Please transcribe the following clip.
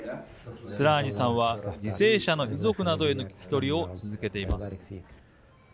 スラーニさんは犠牲者の遺族などへの聴き取りを続けています。